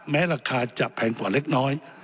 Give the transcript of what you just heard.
แม้ราคาจะแพงกว่าเล็กน้อย